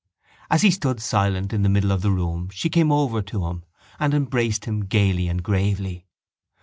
As he stood silent in the middle of the room she came over to him and embraced him gaily and gravely.